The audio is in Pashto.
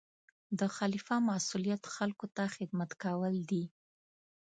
د خلیفه مسؤلیت خلکو ته خدمت کول دي.